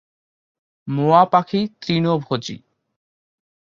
মোয়া পাখি তৃণভোজী।